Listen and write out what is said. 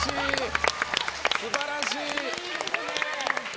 素晴らしい！